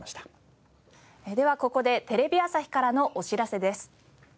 ではここでテレビ朝日からのお知らせです。